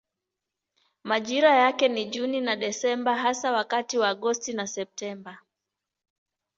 Majira yake ni Juni na Desemba hasa wakati wa Agosti na Septemba.